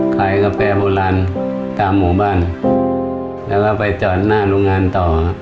กาแฟโบราณตามหมู่บ้านแล้วก็ไปจอดหน้าโรงงานต่อครับ